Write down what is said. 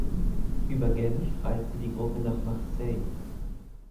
Über Genf reiste die Gruppe nach Marseille.